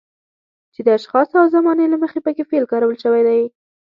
چې د اشخاصو او زمانې له مخې پکې فعل کارول شوی وي.